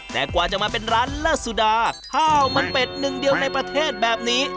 แต่กว่าจะมาเป็นร้านเลอร์สุดาข้าวมันเป็ดหนึ่งเดียวในประเทศแบบนี้